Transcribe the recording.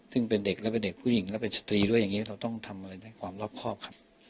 ซึ่งเป็นเด็กและเป็นเด็กผู้หญิงและเป็นสตรีด้วยอย่างนี้เราต้องทำอะไรด้วยความรอบครอบครับ